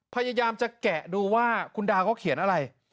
พยายามจะแกะดูว่าคุณดาวเขาเขียนอะไร